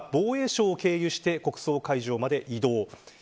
そして出発後は防衛省を経由して国葬会場まで移動。